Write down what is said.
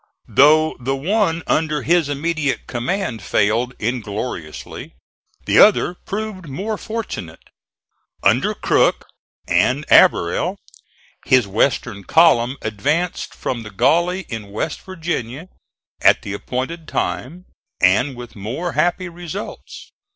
Though the one under his immediate command failed ingloriously the other proved more fortunate. Under Crook and Averell his western column advanced from the Gauley in West Virginia at the appointed time, and with more happy results.